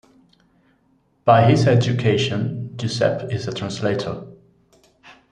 By his education Giuseppe is a translator.